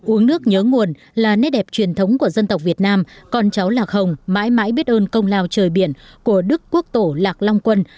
uống nước nhớ nguồn là nét đẹp truyền thống của dân tộc việt nam con cháu lạc hồng mãi mãi biết ơn công lao trời biển của đức quốc tổ lạc long quân